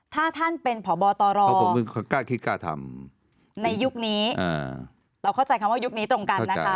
ถ้าท่านเป็นผ่อบอตรในยุคนี้เราเข้าใจคำว่ายุคนี้ตรงกันนะคะ